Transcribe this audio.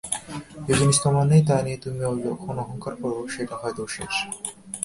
যে-জিনিস তোমার নেই, তা নিয়ে তুমি যখন অহঙ্কার কর, সেটা হয় দোষের।